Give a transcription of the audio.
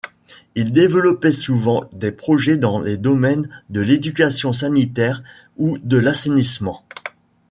Ils développaient souvent des projets dans les domaines de l'éducation sanitaire ou de l'assainissement.